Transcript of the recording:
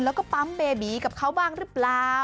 แล้วก็ปั๊มเบบีกับเขาบ้างหรือเปล่า